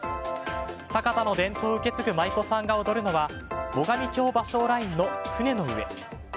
酒田の伝統を受け継ぐ舞妓さんが踊るのは最上峡芭蕉ラインの船の上。